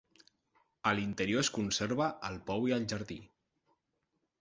A l'interior es conserva el pou i el jardí.